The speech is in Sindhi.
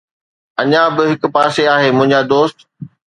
اڃا به هڪ پاسي آهي، منهنجا دوست